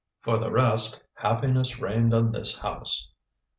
For the rest, happiness rained on this house.